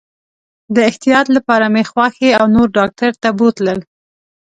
د احتیاط لپاره مې خواښي او نور ډاکټر ته بوتلل.